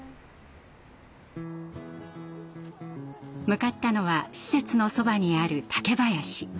向かったのは施設のそばにある竹林。